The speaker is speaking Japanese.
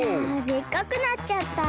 でっかくなっちゃった！